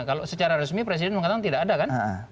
kalau secara resmi presiden mengatakan tidak ada kan